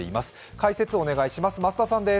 解説をお願いします。